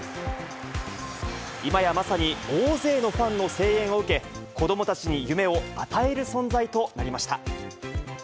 今やまさに、大勢のファンの声援を受け、子どもたちに夢を与える存在となりました。